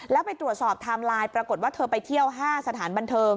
แล้วไปตรวจสอบไทม์ไลน์ปรากฏว่าเธอไปเที่ยว๕สถานบันเทิง